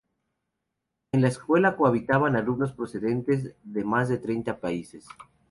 En la escuela cohabitan alumnos procedentes de más de treinta países.